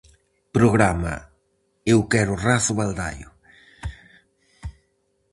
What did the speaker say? Programa 'eu quero Razo-Baldaio'.